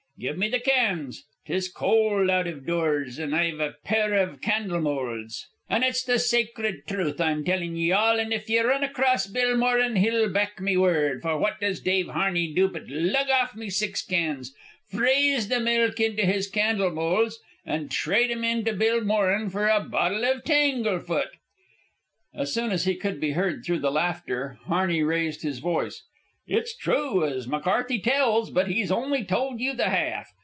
'Give me the cans. 'Tis cold out iv doors, an' I've a pair iv candle moulds.' "An' it's the sacred truth I'm tellin' ye all, an' if ye run across Bill Moran he'll back me word; for what does Dave Harney do but lug off me six cans, freeze the milk into his candle moulds, an' trade them in to bill Moran for a bottle iv tanglefoot!" As soon as he could be heard through the laughter, Harney raised his voice. "It's true, as McCarthy tells, but he's only told you the half.